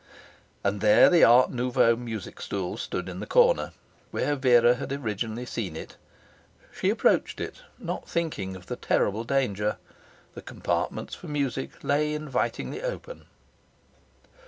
And there the art nouveau music stool stood in the corner, where Vera had originally seen it! She approached it, not thinking of the terrible danger. The compartments for music lay invitingly open.